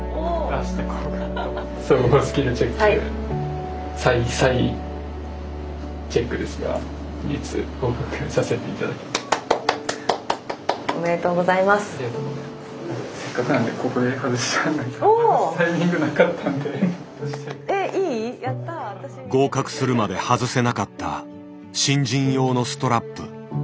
合格するまで外せなかった新人用のストラップ。